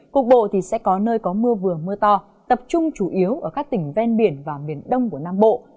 cục bộ thì sẽ có nơi có mưa vừa mưa to tập trung chủ yếu ở các tỉnh ven biển và miền đông của nam bộ